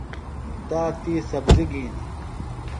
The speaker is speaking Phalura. تاتی سبزیۡ گِھنیۡ۔